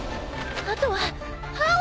あとは青。